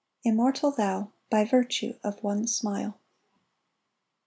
Immortal thou, by virtue of one smile